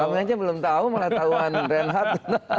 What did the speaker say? kamu aja belum tahu malah tahuan renhad